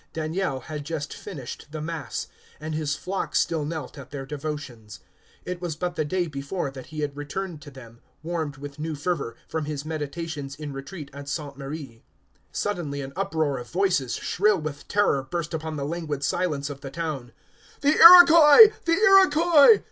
Daniel had just finished the mass, and his flock still knelt at their devotions. It was but the day before that he had returned to them, warmed with new fervor, from his meditations in retreat at Sainte Marie. Suddenly an uproar of voices, shrill with terror, burst upon the languid silence of the town. "The Iroquois! the Iroquois!"